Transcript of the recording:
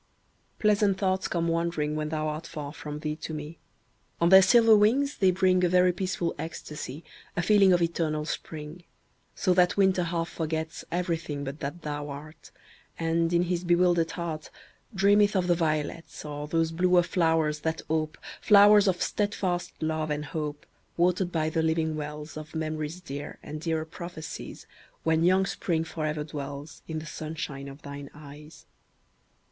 Pleasant thoughts come wandering, When thou art far, from thee to me; On their silver wings they bring A very peaceful ecstasy, A feeling of eternal spring; So that Winter half forgets Everything but that thou art, And, in his bewildered heart, Dreameth of the violets, Or those bluer flowers that ope, Flowers of steadfast love and hope, Watered by the living wells, Of memories dear, and dearer prophecies, When young spring forever dwells In the sunshine of thine eyes.